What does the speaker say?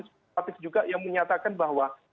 spektif juga yang menyatakan bahwa